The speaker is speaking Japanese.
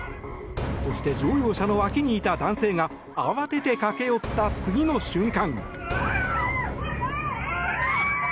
そして、乗用車の脇にいた男性が慌てて駆け寄った次の瞬間。